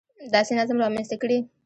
داسې نظم رامنځته کړي